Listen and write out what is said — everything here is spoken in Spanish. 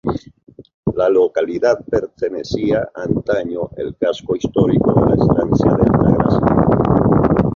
La localidad pertenecía antaño el casco histórico de la estancia de Alta Gracia.